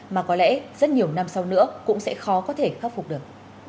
mà có lẽ rất nhiều năm sau nữa cũng sẽ khó có thể khắc phục được